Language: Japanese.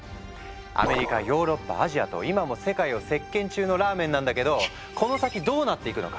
アメリカヨーロッパアジアと今も世界を席巻中のラーメンなんだけどこの先どうなっていくのか？